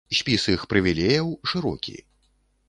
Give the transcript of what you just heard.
Спіс іх прывілеяў шырокі.